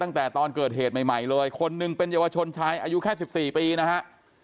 ตั้งแต่ตอนเกิดเหตุใหม่เลยคนหนึ่งเป็นเยาวชนชายอายุแค่๑๔ปีนะฮะ